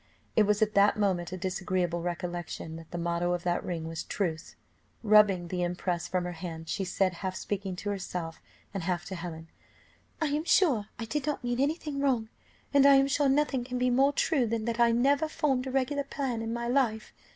It was at that moment a disagreeable recollection that the motto of that ring was "Truth." Rubbing the impress from her hand, she said, half speaking to herself, and half to Helen "I am sure I did not mean anything wrong; and I am sure nothing can be more true than that I never formed a regular plan in my life.